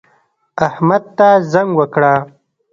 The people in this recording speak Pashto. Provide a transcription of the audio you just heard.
احمد ته زنګ وکړه